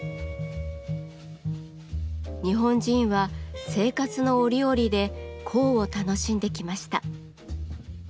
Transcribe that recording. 日本人は生活の折々で香を楽しんできました。